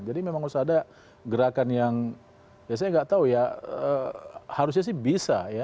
jadi memang harus ada gerakan yang ya saya nggak tahu ya harusnya sih bisa ya